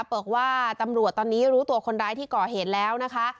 บอกว่าตำรวจตอนนี้รู้ตัวคนร้ายที่ก่อเหตุแล้วนะคะ